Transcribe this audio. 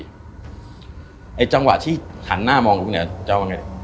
ในจังหวะที่หันหน้ามองกับคุณแอ๋วเนี่ยจะว่าไง